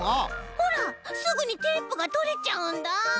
ほらすぐにテープがとれちゃうんだ。